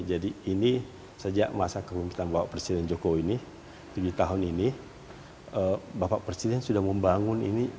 jadi ini sejak masa kemungkinan bapak presiden joko ini tujuh tahun ini bapak presiden sudah membangun ini